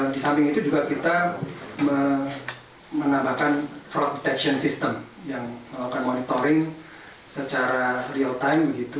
di sisi tersebut kita juga menambahkan fraud detection system yang melakukan monitoring secara real time